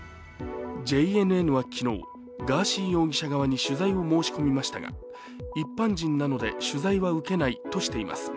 ＪＮＮは昨日、ガーシー容疑者側に取材を申し込みましたが、一般人なので、取材は受けないとしています。